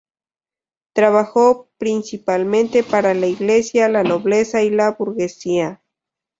Trabajó principalmente para la Iglesia, la nobleza y la burguesía.